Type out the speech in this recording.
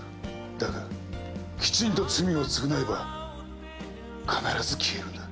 だがきちんと罪を償えば必ず消えるんだ。